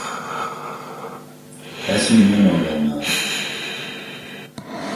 Es viņu nenogalināju.